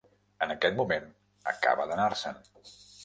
En aquest moment acaba d'anar-se'n.